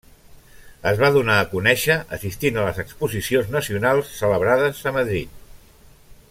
Es va donar a conèixer assistint a les Exposicions Nacionals celebrades a Madrid.